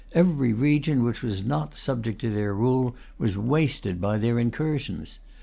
Every region which was not subject to their rule was wasted by their incursions.